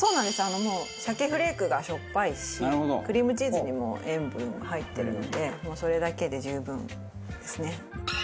もう鮭フレークがしょっぱいしクリームチーズにも塩分入ってるのでもうそれだけで十分ですね。